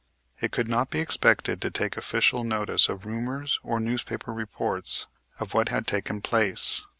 It could not be expected to take official notice of rumors or newspaper reports of what had taken place.